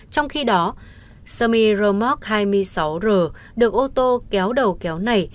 trong khi đó semi romoc hai mươi sáu r được ô tô kéo đầu kéo nảy